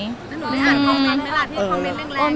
หนูได้อ่านพร้อมกันเวลาที่คอมเม้นเรื่องแรง